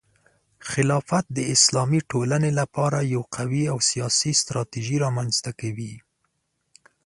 خلافت د اسلامي ټولنې لپاره یو قوي او سیاسي ستراتیژي رامنځته کوي.